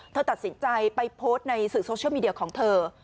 เธอตัดสินใจไปโพสต์ในสื่อโซเชียลมีเดียของเธอ